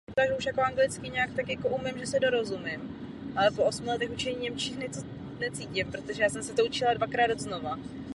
Žádáme Komisi, aby se aktivně na pořizování uvedeného soupisu podílela.